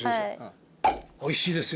おいしいですよ。